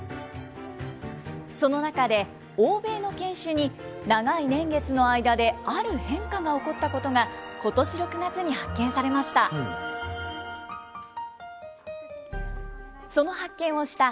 その中で、欧米の犬種に長い年月の間で、ある変化が起こったことが、ことし６月に発見されました。